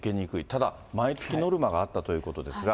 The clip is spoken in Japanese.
ただ、毎月ノルマがあったということですが。